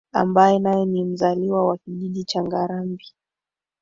ambaye naye ni mzaliwa wa Kijiji cha Ngarambi